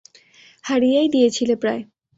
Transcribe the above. হারিয়েই দিয়েছিলে প্রায়।